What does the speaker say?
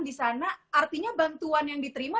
di sana artinya bantuan yang diterima